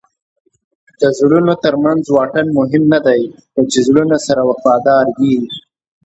د زړونو ترمنځ واټن مهم نه دئ؛ خو چي زړونه سره وفادار يي.